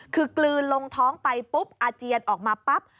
คือกลืนลงท้องไปปุ๊บอาเจียนออกมาปั๊บ